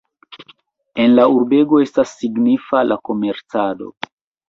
En la urbego estas signifa la komercado.